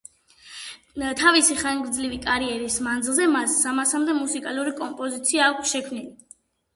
თავისი ხანგრძლივი კარიერის მანძილზე მას სამასამდე მუსიკალური კომპოზიცია აქვს შექმნილი.